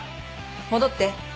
戻って。